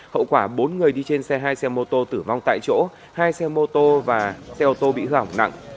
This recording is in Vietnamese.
hậu quả bốn người đi trên xe hai xe mô tô tử vong tại chỗ hai xe mô tô và xe ô tô bị hỏng nặng